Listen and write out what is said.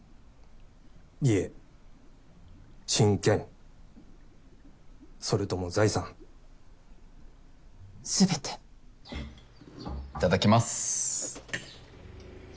家親権それとも財産全ていただきます。